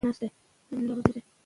ویډیوګانو ته دقیق نظر اړین دی.